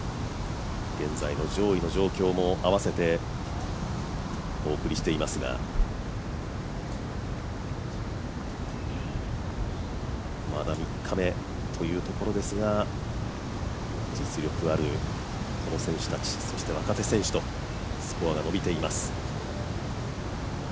現在の上位の状況も合わせてお送りしていますがまだ３日目というところですが実力あるこの選手たち、そして若手選手と、スコアが伸びています。